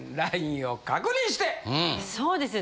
そうですよ！